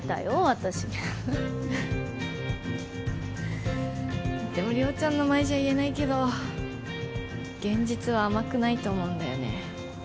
私はでも亮ちゃんの前じゃ言えないけど現実は甘くないと思うんだよね